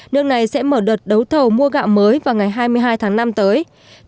nước này sẽ mở đợt đấu thầu mua gạo mới vào ngày hai mươi hai tháng năm tới